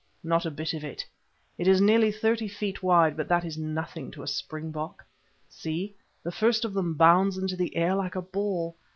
Not a bit of it. It is nearly thirty feet wide, but that is nothing to a springbok. See, the first of them bounds into the air like a ball.